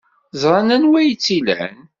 Ẓran anwa ay tt-ilan.